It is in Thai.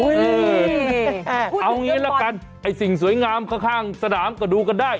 เออเอาอย่างนี้หลังกันสิ่งสวยงามข้างสนามก็ดูกันได้